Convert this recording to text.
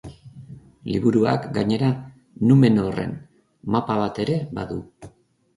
Liburuak, gainera, Numenorren mapa bat ere badu.